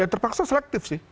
terpaksa selektif sih